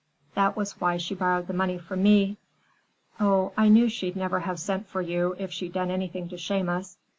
That was why she borrowed the money from me." "Oh, I knew she'd never have sent for you if she'd done anything to shame us.